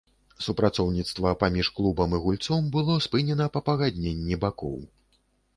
Супрацоўніцтва паміж клубам і гульцом было спынена па пагадненні бакоў.